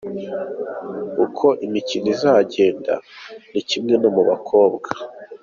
Uko imikino izagenda ni kimwe no mu bakobwa.